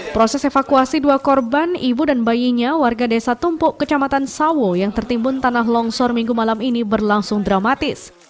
proses evakuasi dua korban ibu dan bayinya warga desa tumpuk kecamatan sawo yang tertimbun tanah longsor minggu malam ini berlangsung dramatis